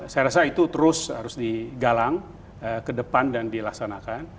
saya rasa itu terus harus digalang ke depan dan dilaksanakan